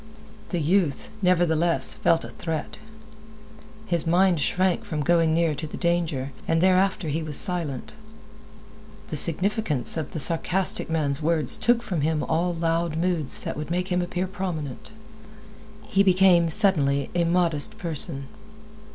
The youth, nevertheless, felt a threat. His mind shrank from going near to the danger, and thereafter he was silent. The significance of the sarcastic man's words took from him all loud moods that would make him appear prominent. He became suddenly a modest person.